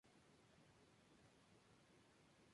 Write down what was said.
Contributions to the flora of the Philippine Islands".